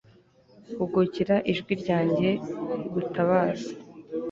hugukira ijwi ryanjye rigutabaza